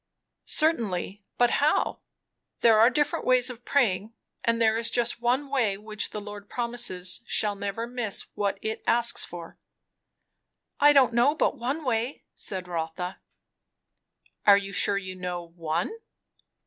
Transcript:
"Certainly. But how? There are different ways of praying; and there is just one way which the Lord promises shall never miss what it asks for." "I don't know but one way," said Rotha. "Are you sure you know _one?